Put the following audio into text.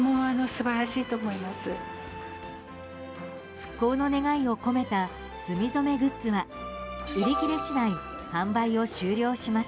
復興の願いを込めた炭染めグッズは売り切れ次第販売を終了します。